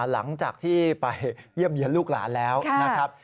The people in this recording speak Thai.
หลังจากที่ไปเยี่ยมเยี่ยมลูกหลานแล้วนะครับ